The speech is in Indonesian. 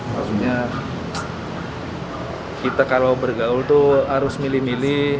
maksudnya kita kalau bergaul itu harus milih milih